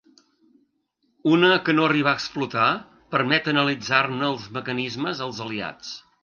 Una que no arribà a explotar permet analitzar-ne el mecanisme als aliats.